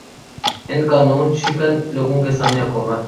ان قانوں شکن لوگوں کے سامنے حکومت